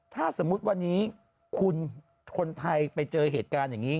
ถ้าสมมุติวันนี้คุณคนไทยไปเจอเหตุการณ์อย่างนี้